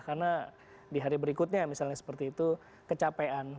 karena di hari berikutnya misalnya seperti itu kecapean